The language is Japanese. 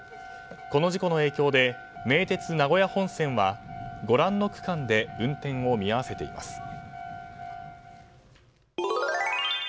この事故の影響で名鉄名古屋本線はご覧の区間で運転を見合わせています。